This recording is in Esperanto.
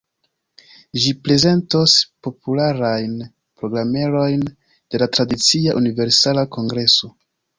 Ĝi prezentos popularajn programerojn de la tradicia Universala Kongreso.